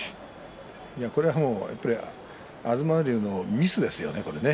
これは、もう東龍のミスですよね。